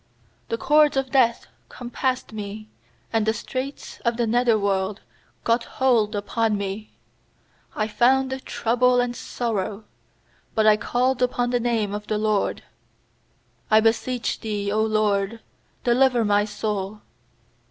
3The cords of death compassed me, And the straits of the nether worlc got hold upon me; I found trouble and sorrow. 4But I called upon the name of th* LORD: 'I beseech Thee, 0 LORD, delivei my soul.